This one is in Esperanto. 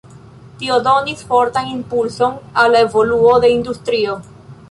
Tio donis fortan impulson al la evoluo de industrio.